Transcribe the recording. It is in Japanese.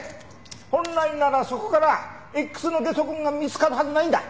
本来ならそこからＸのゲソ痕が見つかるはずないんだ。